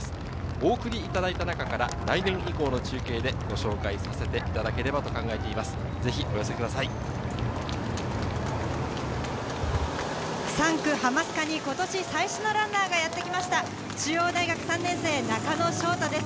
お送りいただいた中から来年以降の中継でご紹介させていただければと考えています。